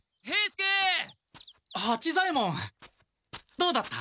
どうだった？